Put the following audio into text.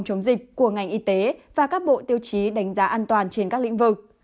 các hoạt động chống dịch của ngành y tế và các bộ tiêu chí đánh giá an toàn trên các lĩnh vực